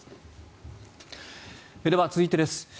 では、続いてです。